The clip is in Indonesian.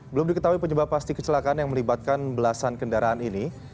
belum diketahui penyebab pasti kecelakaan yang melibatkan belasan kendaraan ini